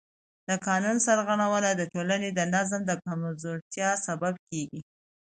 د قانون سرغړونه د ټولنې د نظم د کمزورتیا سبب کېږي